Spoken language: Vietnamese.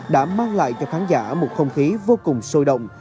đã mang lại cho khán giả một không khí vô cùng sôi động